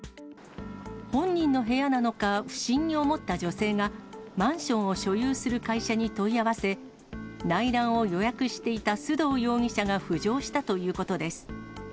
本人の部屋なのか不審に思った女性が、マンションを所有する会社に問い合わせ、内覧を予約していた須藤容疑者が浮上したということです。